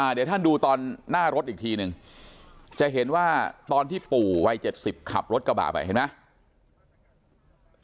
เดี๋ยวท่านดูตอนหน้ารถอีกทีนึงจะเห็นว่าตอนที่ปู่วัย๗๐ขับรถกระบะไปเห็นไหม